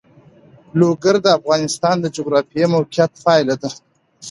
لوگر د افغانستان د جغرافیایي موقیعت پایله ده.